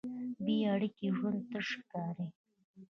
بېاړیکې ژوند تش ښکاري.